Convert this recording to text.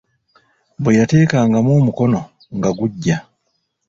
Bwe yateekangamu omukono nga guggya.